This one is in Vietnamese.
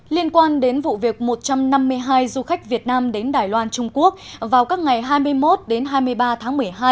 liên quan đến vụ việc một trăm năm mươi hai du khách việt nam đến đài loan trung quốc vào các ngày hai mươi một đến hai mươi ba tháng một mươi hai